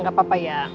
ya gak apa apa ya